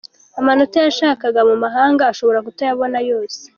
Amanota yashakaga mu mahanga ashobora kutayabona yose.